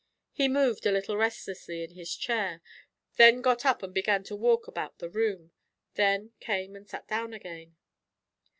He moved a little restlessly in his chair; then got up and began to walk about the room; then came and sat down again.